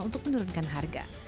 untuk menurunkan harga